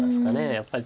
やっぱり。